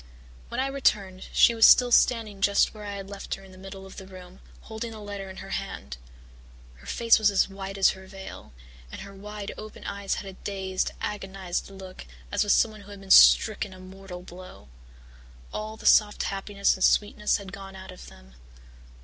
"When I returned she was still standing just where I had left her in the middle of the room, holding the letter in her hand. Her face was as white as her veil, and her wide open eyes had a dazed, agonized look as of someone who had been stricken a mortal blow. All the soft happiness and sweetness had gone out of them.